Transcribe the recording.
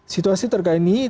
situasi terkait ini terkait